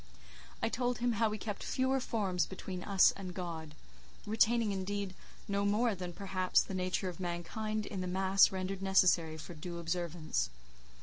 I told him how we kept fewer forms between us and God; retaining, indeed, no more than, perhaps, the nature of mankind in the mass rendered necessary for due observance.